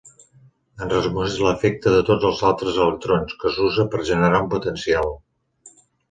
Es resumeix l'efecte de tots els altres electrons, que s'usa per generar un potencial.